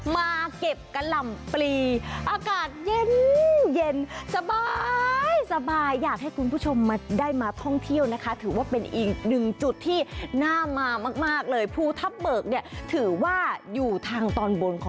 วันนี้อยู่ที่พูทับเบิก